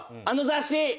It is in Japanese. あの雑誌！